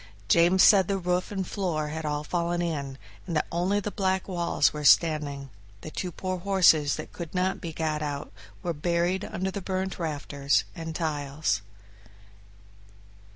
James said the roof and floor had all fallen in, and that only the black walls were standing; the two poor horses that could not be got out were buried under the burnt rafters and tiles.